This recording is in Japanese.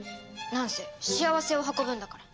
なんせ幸せを運ぶんだから。